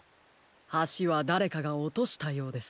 はしはだれかがおとしたようです。